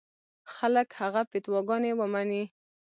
خلک هغه فتواګانې ومني.